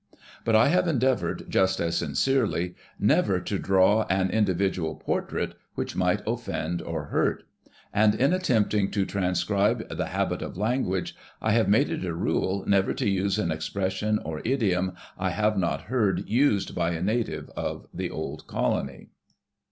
But I have endeavored just as sincerely never to draw an individual portrait which might offend or hurt. And in attempting to transcribe the habit of language I have made it a rule never to use an expression or idiom I have not heard used by a native of the old colony."